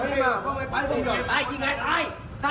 นั่งเลย